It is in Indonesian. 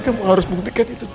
kamu harus buktikan itu